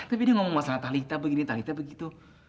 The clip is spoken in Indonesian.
tapi dia ngomong masalah talitha begini talitha begitu